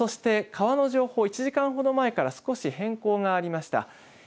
そして川の情報、１時間ほど前から少し変更がありました。